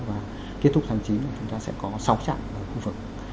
và kết thúc tháng chín là chúng ta sẽ có sáu trạm ở khu vực